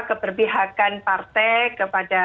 keperbihakan partai kepada